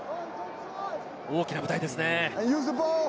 大きな舞台ですね。